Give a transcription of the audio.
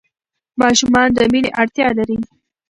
ماشومان د مینې اړتیا لري.